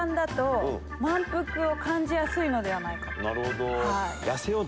なるほど。